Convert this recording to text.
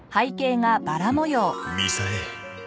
みさえ。